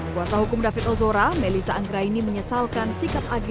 kuasa hukum david osora melissa anggraini menyesalkan sikap ag